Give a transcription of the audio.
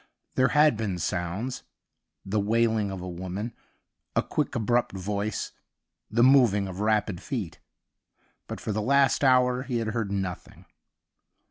There had been sounds — the wailing of a woman, a quick abrupt voice, the moving of rapid feet. But for the last hour he had heard nothing.